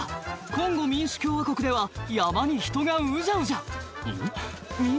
コンゴ民主共和国では山に人がうじゃうじゃうん？